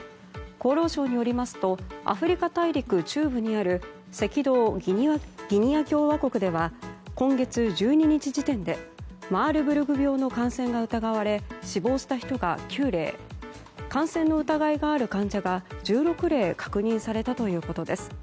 厚労省によりますとアフリカ大陸中部にある赤道ギニア共和国では今月１２日時点でマールブルグ病の感染が疑われ死亡した人が９例感染の疑いがある患者が１６例確認されたということです。